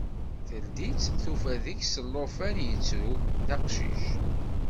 Teldi-tt, tufa deg-s llufan ittru, d aqcic.